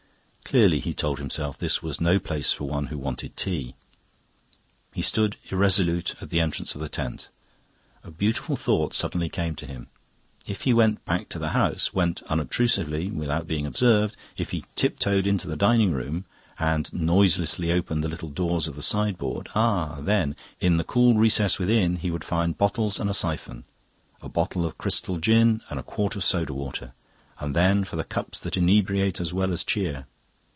Clearly, he told himself, this was no place for one who wanted tea. He stood irresolute at the entrance to the tent. A beautiful thought suddenly came to him; if he went back to the house, went unobtrusively, without being observed, if he tiptoed into the dining room and noiselessly opened the little doors of the sideboard ah, then! In the cool recess within he would find bottles and a siphon; a bottle of crystal gin and a quart of soda water, and then for the cups that inebriate as well as cheer...